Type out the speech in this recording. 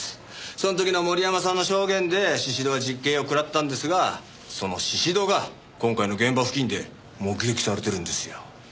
その時の森山さんの証言で宍戸は実刑を食らったんですがその宍戸が今回の現場付近で目撃されているんですよ。